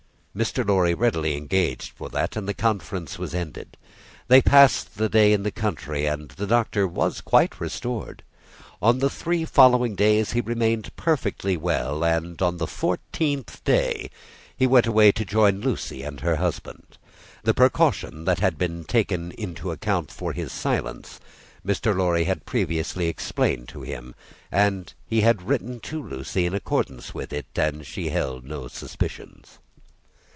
Mr. Lorry readily engaged for that, and the conference was ended. They passed the day in the country, and the Doctor was quite restored. On the three following days he remained perfectly well, and on the fourteenth day he went away to join Lucie and her husband. The precaution that had been taken to account for his silence, Mr. Lorry had previously explained to him, and he had written to Lucie in accordance with it, and she had no suspicions.